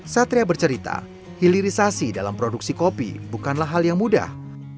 satria bercerita hilirisasi dalam produksi kopi bukanlah hal yang mudah